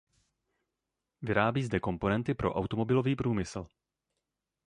Vyrábí zde komponenty pro automobilový průmysl.